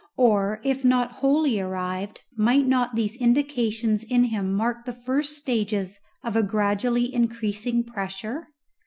Or, if not wholly arrived, might not these indications in him mark the first stages of a gradually increasing pressure?